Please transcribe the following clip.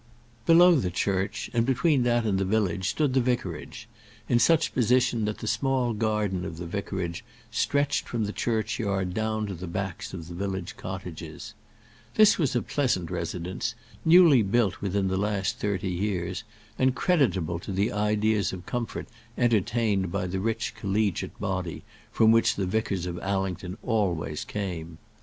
Below the church, and between that and the village, stood the vicarage, in such position that the small garden of the vicarage stretched from the churchyard down to the backs of the village cottages. This was a pleasant residence, newly built within the last thirty years, and creditable to the ideas of comfort entertained by the rich collegiate body from which the vicars of Allington always came.